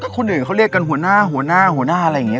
คนอื่นเขาเรียกกันหัวหน้าหัวหน้าหัวหน้าอะไรอย่างนี้